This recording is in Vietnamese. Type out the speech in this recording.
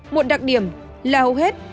một đặc điểm là hầu hết